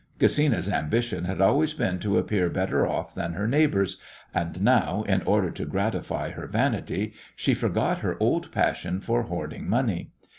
Gesina's ambition had always been to appear better off than her neighbours, and now, in order to gratify her vanity, she forgot her old passion for hoarding money.